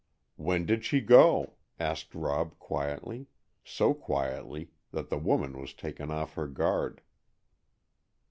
"When did she go?" asked Rob quietly—so quietly that the woman was taken off her guard.